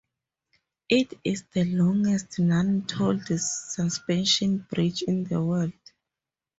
It is the longest non-tolled suspension bridge in the world.